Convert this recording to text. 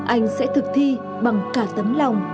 anh sẽ thực thi bằng cả tấm lòng